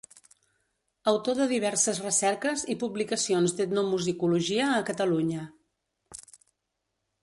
Autor de diverses recerques i publicacions d'etnomusicologia a Catalunya.